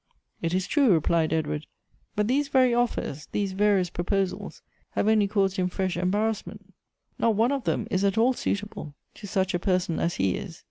" It is true," replied Edward ; but these very offers — these various proposals — have only caused him fresh em barrassment. Not one of them is at all suitable to such a person as he is.